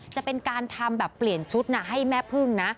จะเป็นการทำแบบเปลี่ยนชุดให้แม่พึ่งนะ